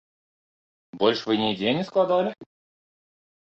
Больш вы нідзе не складалі?